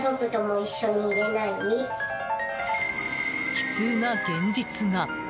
悲痛な現実が。